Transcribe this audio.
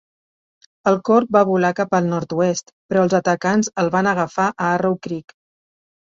El corb va volar cap al nord-oest, però els atacants els van agafar a Arrow Creek.